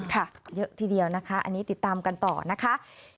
เยอะทีเดียวนะคะอันนี้ติดตามกันต่อนะคะ